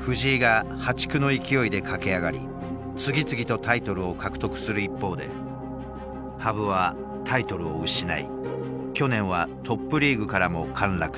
藤井が破竹の勢いで駆け上がり次々とタイトルを獲得する一方で羽生はタイトルを失い去年はトップリーグからも陥落した。